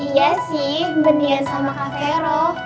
iya sih beneran sama kak vero